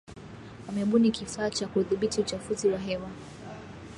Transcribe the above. Wamebuni kifaa cha kudhibiti uchafuzi wa hewa